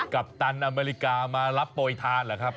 กัปตันอเมริกามารับปล่อยทานหรือครับ